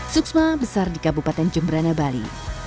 suksma besar di kabupaten jemberana bali